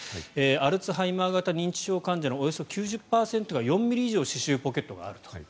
アルツハイマー型認知症患者のおよそ９０％が４ｍｍ以上歯周ポケットがあると。